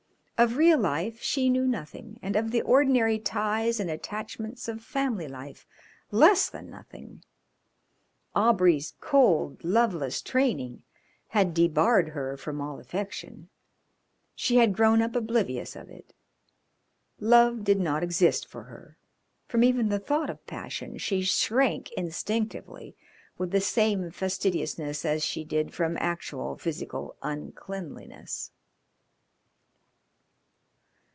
Of real life she knew nothing and of the ordinary ties and attachments of family life less than nothing. Aubrey's cold, loveless training had debarred her from all affection; she had grown up oblivious of it. Love did not exist for her; from even the thought of passion she shrank instinctively with the same fastidiousness as she did from actual physical uncleanliness.